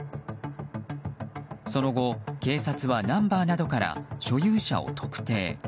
その後、警察はナンバーなどから所有者を特定。